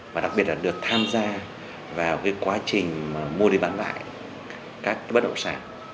và đặc biệt là được tham gia vào quá trình mua đi bán lại các bất động sản